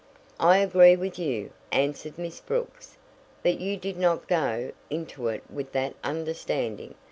"I agree with you," answered Miss Brooks, "but you did not go into it with that understanding.